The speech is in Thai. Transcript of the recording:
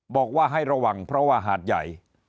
บอกว่าให้ระวังเพราะว่าหาดใหญ่